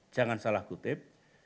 jangan salah kutip